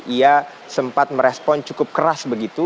ia sempat merespon cukup keras begitu